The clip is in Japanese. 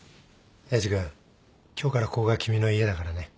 エイジ君今日からここが君の家だからね